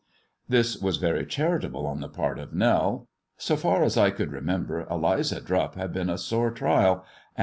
This was very charitable on the part of Nell. So tar I could remember Eli^a Drupp had been a sore trial, and